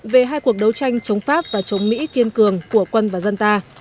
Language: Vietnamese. về hai cuộc đấu tranh chống pháp và chống mỹ kiên cường của quân và dân ta